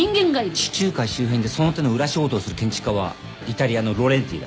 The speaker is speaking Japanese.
地中海周辺でその手の裏仕事をする建築家はイタリアのロレンティだ。